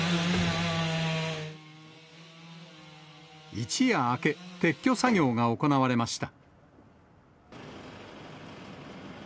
一夜明け、撤去作業が行われました。